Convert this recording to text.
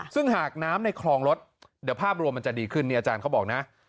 ซึ่งหากน้ำในคลองรถเดี๋ยวภาพรวมมันจะดีขึ้นนี่อาจารย์เขาบอกนะ